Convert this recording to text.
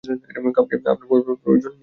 কাউকে আপনার ভয় পাবার প্রয়োজন নেই।